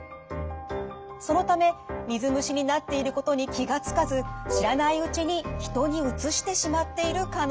そのため水虫になっていることに気が付かず知らないうちに人にうつしてしまっている可能性も。